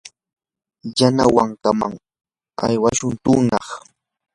yanawankaman aywashun tunaq.